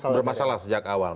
bermasalah sejak awal